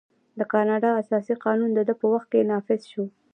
د کاناډا اساسي قانون د ده په وخت کې نافذ شو.